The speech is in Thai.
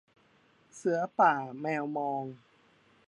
เสือป่าแมวมอง